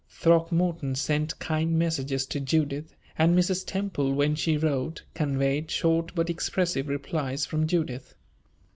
Throckmorton sent kind messages to Judith; and Mrs. Temple, when she wrote, conveyed short but expressive replies from Judith.